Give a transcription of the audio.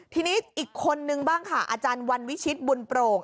ทีนี้อีกคนนึงบ้างค่ะอาจารย์วันวิชิตบุญโปร่ง